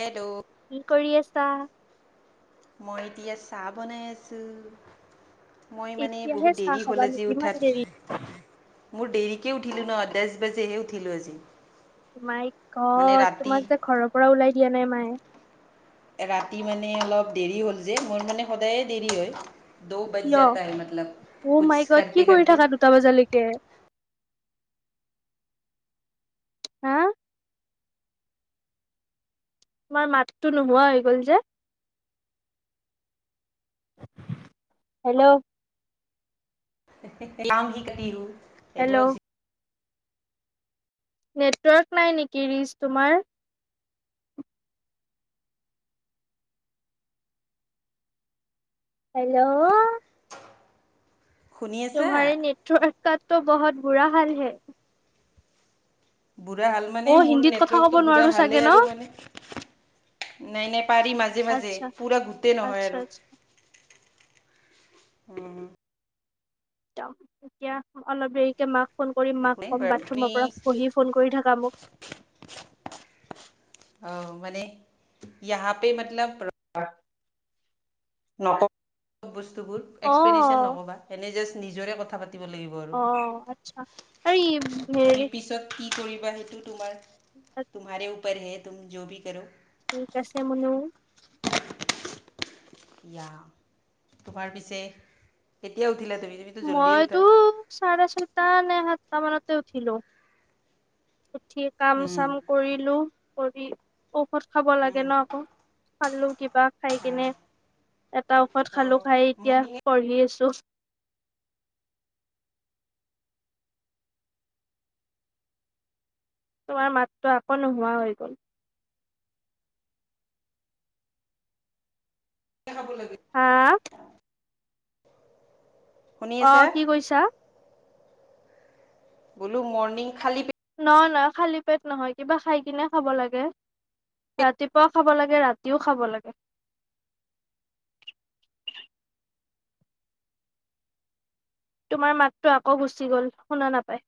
Hello কি কৰি আছা? মই এতিয়া চাহ বনাই আছোঁ। মই মানে এতিয়াহে বহুত চাহ দেৰি হ'ল খাবা আজি নেকি ইমান উঠাত। দেৰি? মোৰ দেৰিকে উঠিলো ন দচ বাজেহে উঠিলো আজি। মাই মানে ঘৰত ৰাতি তোমাক যে ঘৰৰ পৰা ওলাই দিয়া নাই মায়ে। ৰাতি মানে অলপ দেৰি হ'ল যে মোৰ মানে সদায়ে দেৰি হয়। দ বজ কিয়? যাতা হে মতলব কছ কৰতে কৰতে। ত বজালৈকে - হা তোমাৰ মাততো নোহোৱা হৈ গ'ল যে। হেল্ল' লাংগি কটি। হেল্ল' নেটৱৰ্ক নাই নেকি ৰিচ তোমাৰ। হেল্ল' শুনি আছা? তোমহাৰে নেটৱৰ্কাটো বহুত বুৰা হাল হে। বুঢ়া হাল মানে অ' মোৰ হিন্দীত কথা ক'ব নেটৱৰ্কটো বুঢ়া নোৱাৰো চাগে হালেই আৰু ন? মানে নাই নাই পাৰি মাজে মাজে আচ্ছা পুৰা গোটেই নহয় আচ্ছা আৰু আচ্ছা। উম এতিয়া অলপ দেৰিকে মাক ফোন কৰি একো মাক নাই কম বাৰু বাথৰুমৰ পৰা তুমি পহি। ফোন কৰি থাকা মোক। অঁ মানে ইয়াহা পে মতলব। বস্তুবোৰ এক্সপ্লেনেচন অ' নকবা এনো নিজৰে কথা পাতিব লাগিব। আৰু অঁ আচ্ছা আৰু তুমি হেৰি। পিছত কি কৰিবা সেইটো তোমাৰ তোমাৰে ওপৰতহে তুম য' বি কৰে। ঠিক আছে মনু। ইয়া তোমাৰ পিছে কেতিয়া উঠিলা তুমি তুমি? মইতো চাৰে ছয়টা নে সাতটা মানতে উঠিলো। উঠি কাম উম চাম কৰিলো কৰি ঔষধ খাব লাগে উম ন আকৌ। খালো কিবা খাই কেনে এটা ঔষধ খালো অ', খাই এতিয়া মৰ্ণিঙে পঢ়ি আছো। তোমাৰ মাততো আকৌ নোহোৱা হৈ গ'ল। খাব লাগে। হা শুনি আছা অঁ কি কৈছা? বোলো মৰ্নিং খালী পেট- নহয় নহয় খালী পেট নহয় কিবা খাই কিনে খাব লাগে। ৰাতিপুৱাও খাব লাগে ৰাতিও খাব লাগে। তোমাৰ মাততো আকৌ গুচি গল শুনা নাপায়।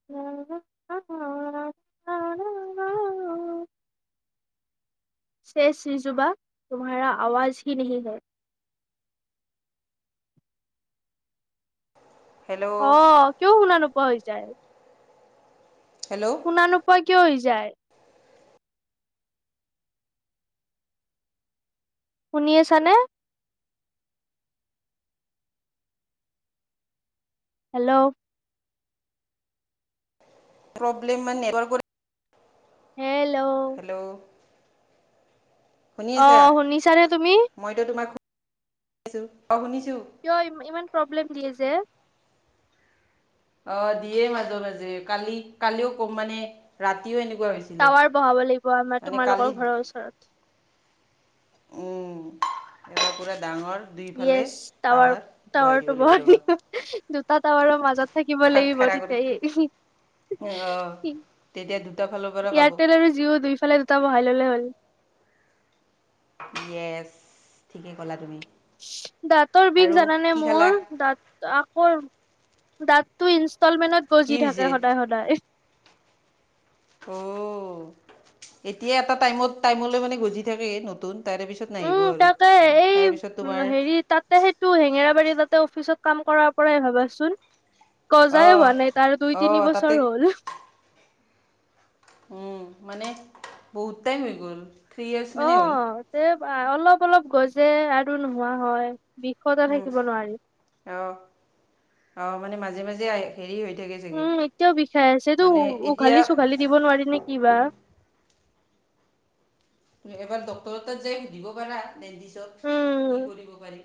[unintelligible] চেষ শিযুবা তুমহাৰা আৱাজ হি ন হে। হেল্ল' অঁ কিয় শুনা নোপোৱা হৈ যায়। হেল্ল' শুনা নোপোৱা কিয় হৈ যায়। শুনি আছা নে। হেল্ল', প্ৰব্লেম মানে নেটৱৰ্কৰ- হেল্ল', হেল্ল', শুনি অ, আছা শুনিছানে তুমি। মইতো তোমাকছো অঁ শুনিছোঁ। কিয় ই ইমান প্ৰব্লেম দিয়ে যে। অ, দিয়ে মাজে - মাজে কালি কালিও কম মানে ৰাতিও এনেকুৱা হৈছে। টাৱাৰ বহাব লাগিব আমাৰ তোমালোকৰ ঘৰৰ ওচৰত। উম, এয়া পুৰা ডাঙৰ। দুইফালে য়েছ টাৱাৰ বহাই টাৱাৰ দিব টো ব লাগিব ৰ'বা দুটা টাৱাৰৰ মাজত থাকিব। শিকিব খা লাগিব খাৰা কৰি তেতিয়া অঁ তেতিয়া দুটা ফালৰ পৰা পাব এয়াৰটেল আৰু জিঅ দুইফালে দুটা বহাই ললে হ'ল। য়েছ ঠিকেই ক'লা তুমি দাঁতৰ বিষ আৰু জানানে কি খালা মোৰ দাঁত আকৌ দাঁতটো ইনষ্টলমেণ্টত কি গজি হৈছে থাকে সদায় - সদায় অ, এতিয়া এটা টাইমত টাইমলৈ মানে গজি থাকে নতুন। তাৰে পিছত নাহিব উম আৰু তাকে এই তাৰে পিছত উম তোমাৰ হেৰি তাতে সেইটো হেঙেৰাবাৰী তাতে অফিচত কাম কৰাৰ পৰাই ভাবাচোন। গজাই অঁ হোৱা নাই তাৰ দুই তিনি অঁ তাতে বছৰ হ'ল। উম, মানে বহুতটাইম হৈ গ'ল। থ্ৰী ইয়েৰ্ছ অ, মানেই হ'ল তে অলপ - অলপ গজে আৰু নোহোৱা হয় বিষ বিষতে থাকিব নোৱাৰি। অ', অ ', মানে মাজে- মাজে আহ হৰি হৈ থাকে। চাগে উম, এতিয়াও বিষাই আছেতো মানে এতিয়া উঘালি চোঘালি দিব নোৱাৰি নেকি কিবা? তুমি এবাৰ ডক্টৰ যাই সুধিব পাৰা দেন্তিচক কি উম কৰিব পাৰি?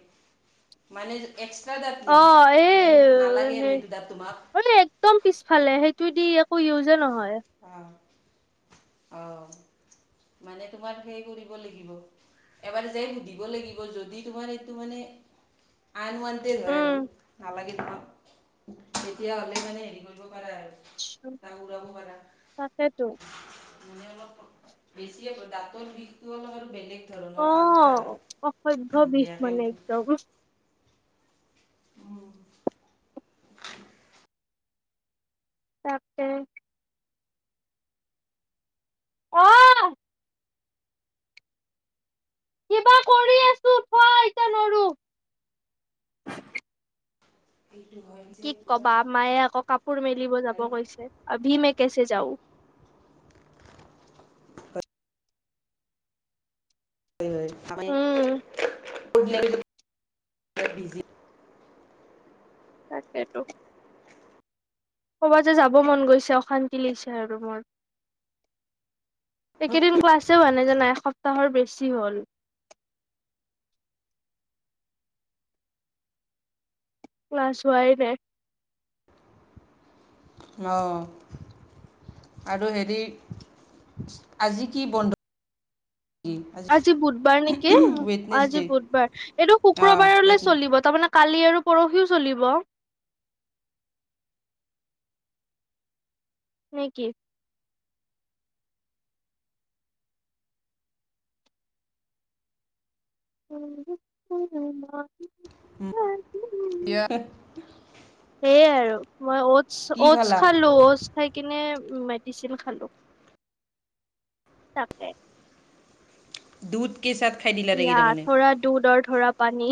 মানে এক্সট্ৰা দাঁত অ নেকি এই মানে স নালাগে হে আৰু সেইটো দাঁত তোমাক। মানে একদম পিছফালে সেইটো দি একো ইউজে নহয়। অ ', অ ', মানে তোমাক সেই কৰিব লাগিব। এবাৰ যে সুধিব লাগিব যদি তোমাৰ এইটো মানে আনুৱন্ত হয় উম আৰু নালাগে। তেতিয়া হ'লে মানে হেৰি কৰিব পাৰা আৰু আচ্ছা, তাক উৰাব পাৰা। তাকেতো। মানে অলপ বেছিয়ে দাঁতৰ বিষটো অলপ আৰু বেলেগ। ধৰণৰ আলট্ৰা অ', হয় অসভ্য বহুত বিষ বেয়াকে মানে উঠি একদম উম, তাকে। অ', কিবা কৰি আছো। থোৱা এতিয়া নৰো এইটো হয়। যে কি পুৰা কবা মায়ে আকৌ কাপোৰ মেলিব যাব আৰু কৈছে আৰু আভী মে কেছে যাও। অ, উম [unintelligible] হব দে তাকেটো। ক'ৰবাততে যাব মন গৈছে অশান্তি লৈছে আৰু মোৰ। একেদিন ক্লাছে হোৱা নে জানা এসপ্তাহৰ বেছি হ'ল। ক্লাছ হোৱাই নাই। অ, আৰু হেৰি আজি কি বন্ধ? আজি বুধবাৰ নেকি আজি ৱেডনেছডে বুধবাৰ এইটো অ ৱেড শুক্ৰবাৰলৈ চলিব তাৰমানে কালি আৰু পৰহিও চলিব। নেকি? [unintelligible] হম, ইয়াৰ সেইয়াই আৰু মই অটচ কি - অটচ খালা খালো ও খাই কিনে মেডিচিন খালো, তাকে। দূধ কে চাথ খাই দিবি। ইয়াৰ থৰা দুধ অৰ থৰা পানী।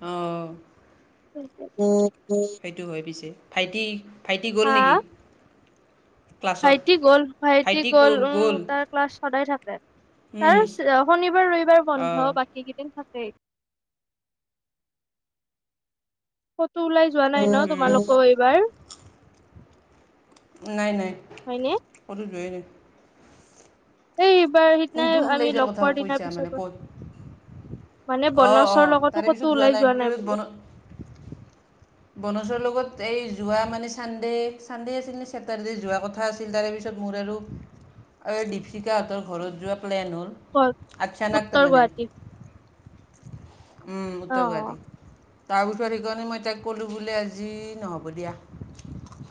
অ। উম। সেইটো হয় পিছে। ভাইটি ভাইটি গ'ল হা নেকি? ক্লাছত ভাইটি গ'ল ভাইটি গ'ল উম তাৰ ক্লাছ সদায় থাকে। উম, তাৰ শনিবাৰ ৰবিবাৰ বন্ধ অঁ বাকী কেইদিন থাকেই। কতো ওলাই যোৱা নাই ন উম, তোমালোকো এইবাৰ। নাই নাই হয়নে কতো যোৱেই নাই। বাৰ সিদিনাই কোনটো ওলাই আমি যোৱাৰ লগ কথা পোৱাৰ দিনাৰ কৈছা মানে পিছতো- ক'ত মানে অঁ বনছৰ অঁ লগতো তাৰে পিছত ক'তো ওলাই যোৱা নাই পিছত বুলো। বন বনজৰ লগত এই যোৱা মানে চানডে চানডে আছিল চেটাৰ্ডে যোৱা কথা আছিল। আছিল তাৰে পিছত মোৰ আৰু এই দীপশিকাহঁতৰ ঘৰত যোৱা প্লেন হ'ল। আচ্ছানাক উত্তৰ মানে। গুৱাহাটী উম, অ উদ্যোগবাদী তাৰপিছৰত সেইকাৰণে মই তাইক ক'লোঁ বোলে আজি নহ'ব দিয়া।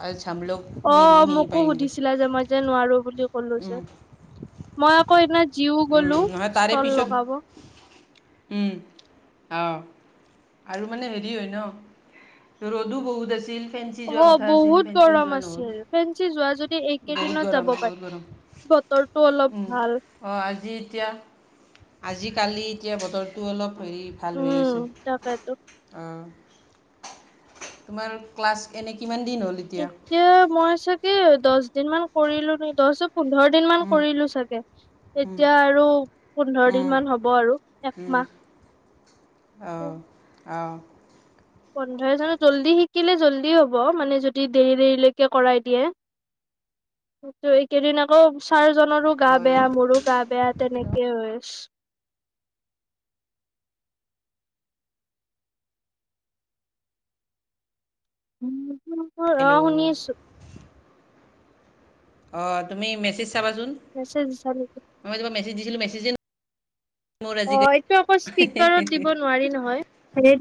আজ সম লোক অ মোকো সুধিছিলা যে মই যে নোৱাৰো বুলি কলো উম, যে। মই আকৌ সেইদিনা জিও উম, গলো নহয় তাৰে ষ্টল পিছত লগাব। উম অ আৰু মানে হেৰি হয় ন। ৰদও বহুত আছিল। ফেঞ্চি যোৱা অ কথা আছিল বহুত ফেঞ্চিও গৰম যোৱা নহ'ল আছিল ফেঞ্চি যোৱা যদি বহুত এইকেইদিনত গৰম যাব পাৰা। বহুত গৰম বতৰটো অলপ ভাল। অহ আজি এতিয়া আজিকালি এতিয়া বতৰটো অলপ হেৰি- ভাল হৈ উম আছে। তাকেতো অহঁ তোমাৰ ক্লাছ এনে কিমান দিন হ'ল এতিয়া- এতিয়া মই চাগে দচ দিন মান কৰিলো ন দহ পোন্ধৰ। দিন মান উম, কৰিলো চাগে, উম, এতিয়া আৰু পোন্ধৰ উম, দিন মান হ'ব আৰু একমাহ। আহ-আহ। পোন্ধৰজনত জল্দি শিকিলে জল্দি হ'ব মানে যদি দেৰি দেৰিলৈকে কৰাই দিয়ে। ত এইকেইদিন আকৌ ছাৰজনৰো গা হয় বেয়া মোৰো গা বেয়া তেনেকে হৈ আছে। [unintelligible] হেল্ল'। শুনি আছো অ তুমি মেছেজ চাবাচোন। [unintelligible] মই তোমাক মেছেজ দিছিলো মেছেজে- মোৰ অ আজিকালি এইটো আকৌ স্পীকাৰত দিব নোৱাৰি নহয় হ-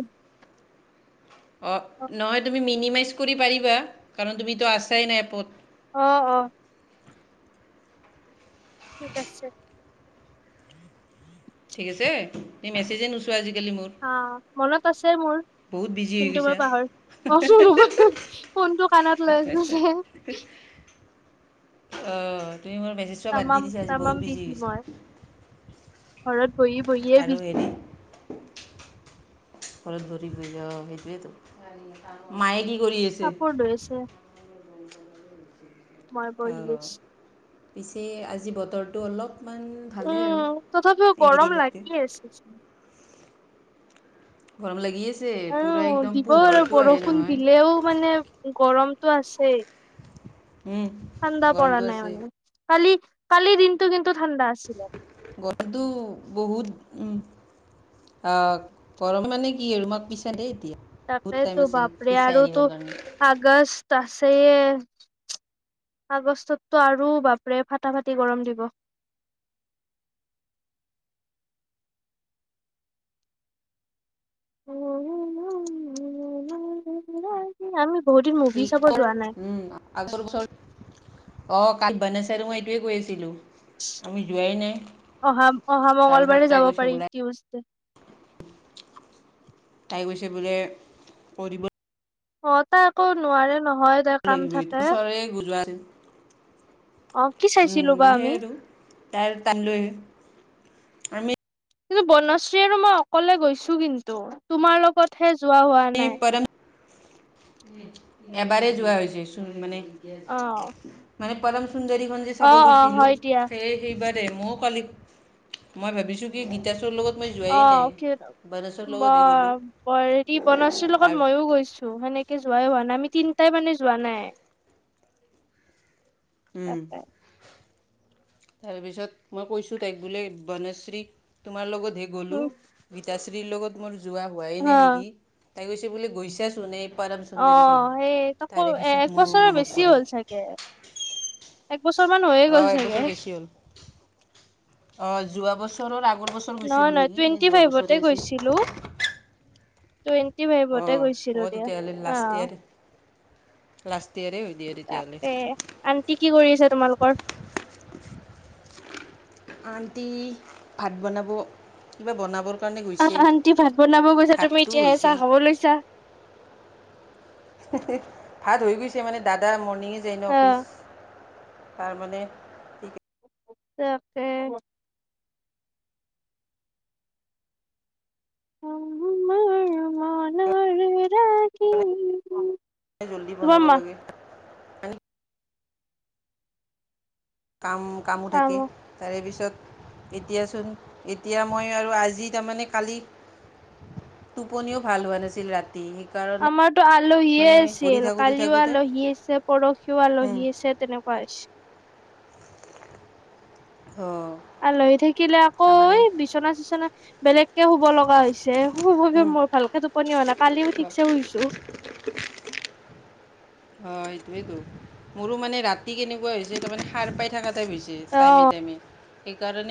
অহ নহয় তুমি মিনিমাইজ কৰি পাৰিবা, কাৰণ তুমিতো আছাই না এপত। অ অ ঠিক আছে। ঠিক আছে। তুমি মেছেজে নোচোৱা আজিকালি মোৰ, হা মনত আছে মোৰ বহুত বিজি হৈ কিন্তু মই গৈছা। পাহৰি অ ফোনটো কানত লৈ আছোঁ যে। অ তুমি মোৰ মেছেজ চোৱা বাদ দি দিছা আজি তামাম বহুত তামাম বিজি হৈ মই গৈছা। ঘৰত বহি বহিয়ে আৰু বিজি। হেৰি ঘৰত বহি বহি অ সেইটোৱেটো, মায়ে কি কৰি আছে। কাপোৰ ধুই আছে। মই বহি অহ আছো পিছে আজি বতৰটো অলপমান ভালেই আৰু উম তথাপিও গৰম এইকেইদিনতকে লাগি আছে চোন গৰম লাগি আছে পূৰা উম একদম দিব আৰু পোহৰটো আহে বৰষুণ নহয় দিলেও মানে- গৰমতটো আছেই উম, ঠাণ্ডা পৰা গৰমটো নাই আছে মানে- কালি কালিৰ দিনটো কিন্তু ঠাণ্ডা আছিলে। বতৰটো বহুত উম, গৰম মানে কি আৰু তোমাক পিছা দেই এতিয়া বহুত তাকেই টাইম তো আছে বাপৰে পিছাই আৰু তো দিবৰ কাৰণে আগষ্ট আছেই আগষ্টততো আৰু বাপৰে ফাটা ফাটি গৰম দিব। আমি বহুত দিন মুভি চাব যোৱা নাই। আচল ৰ'দ অ কাল বনেশ আৰু মই এইটোৱে কৈ আছিলোঁ। আমি যোৱাই নাই তাৰ পিছত তাই গৈছে বোলে টিউজ দে তাই গৈছে বোলে পৰি অ তা আকৌ নোৱাৰে নহয় তাইৰ কাম লাগিব এইটো থাকে। বছৰে যোৱা হেটিন অ' কি উম চাইছিলো বা মানহে আমি এইটো তাই তালে আমি কিন্তু বনশ্ৰী আৰু মই অকলে গৈছো কিন্তু তোমাৰ লগত হে যোৱা হোৱা ম এবাৰে যোৱা হৈছে চোন মানে অ মানে পৰম সুন্দৰীখন যে অ চাব অ গৈছিলোঁ হয় দিয়া সেই, সেইবাৰে ময় কালি মই ভাবিছোঁ কি গীতাছৰ লগত ত মই অ যোৱােই নাই, বনসৰ ব লগতহে গ'লো। হেৰি বনচীৰ লগত মইও গৈছো, সেনেকে যোৱাই হোৱা নাই আমি তিনটাই মানে যোৱা নাই। উম। তাকে তাৰপিছত মই কৈছোঁ তাইক বোলে বণশ্ৰী তোমাৰ লগতহে গ'লোঁ। গীতাশ্ৰীৰ লগত মোৰ যোৱা হোৱাই হা নাই নেকি, তাই কৈছে বোলে গৈছাচোন এই পৰম অ সুন্দৰী চাব সেই তাকৌ তাৰে এ পিছত মোৰ একবছৰৰ মনত বেছি পৰিল হ'ল চাগে? এক বছৰ মান হৈয়ে গ'ল চাগে হল অ যোৱা বছৰৰ আগৰ বছৰ নহয় গৈছিলোঁ নহয় নেকি নে টুৱেণ্টি যোৱা ফাইভতে বছৰে আছিল। গৈছিলো টুৱেণ্টি অহ ফাইভতে অহ গৈছিলো হব দিয়া তেতিয়া হ'লে অ লাষ্ট ইয়েৰ। লাষ্ট ইয়েৰে হৈ দিয়া তেতিয়া হ'লে আৰু কি কি কৰি আছা তোমালোকৰ? আণ্টি ভাত বনাব কিবা বনাবৰ কাৰণে আহ গৈছে। আন্টি ভাত বনাব গৈছে তুমি ভাতটো এতিয়াহে হৈছে চাহ খাব লৈছা। ভাত হৈ গৈছে মানে দাদা ম অফিচ যায়ন অফিচ তাৰমানে সেইকাৰণে তাকে। জল্দি তোমাৰ বনাব মা লাগে। কাম কামো থাকে। তাৰে পিছত এতিয়াচোন এতিয়া মই আৰু আজি তাৰমানে কালি টোপনিও ভাল হোৱা নাছিল ৰাতি। সেইকাৰণে আমাৰতো আলহী মানে ঘূৰি আছিল, থাকোঁতে কালিও থাকোঁতে আলহী আছে পৰহিও অঁ আলহী আছে তেনেকুৱা। [unintelligible] অঁ। আলহী থাকিলে আকৌ এ বিচনা চিচনা বেলেগকে শুব লগা হৈছে, শুব মোৰ তাৰমানে ভালকে টোপনি অহা নাই, কালি মই ঠিকছে শুইছো। অ সেইটোয়েতো, মোৰো মানে ৰাতি কেনেকুৱা হৈছে তাৰ মানে সাৰ পাই থকাত বি হৈছে অ। টাইমে টাইমে সেইকাৰণে